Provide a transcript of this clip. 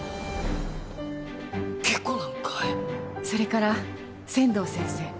それから仙道先生。